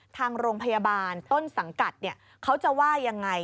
ทางโรงพยาบาลต้นสังกัดเขาจะว่ายังไง